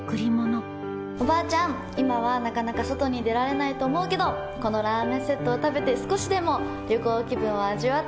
今はなかなか外に出られないと思うけどこのラーメンセットを食べて少しでも旅行気分を味わってね。